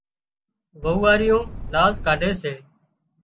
وئوئاريون لاز ڪاڍي سي